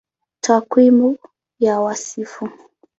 Takwimu ya Wasifu